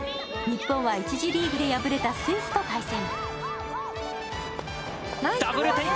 日本は１次リーグで敗れたスイスと対戦。